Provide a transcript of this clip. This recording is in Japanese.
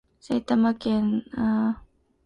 埼玉県長瀞町